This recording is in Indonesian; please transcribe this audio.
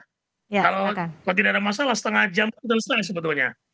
kalau tidak ada masalah setengah jam itu senang sebetulnya